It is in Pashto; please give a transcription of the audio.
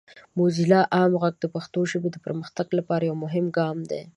موزیلا عام غږ د پښتو ژبې پرمختګ لپاره یو مهم ګام دی.